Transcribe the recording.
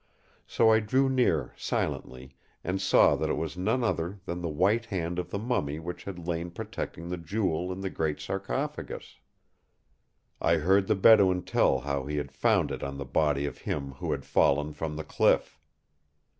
So I drew near silently, and saw that it was none other than the white hand of the mummy which had lain protecting the Jewel in the great sarcophagus. I heard the Bedouin tell how he had found it on the body of him who had fallen from the cliff.